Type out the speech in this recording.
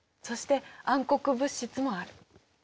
そして暗黒物質もある。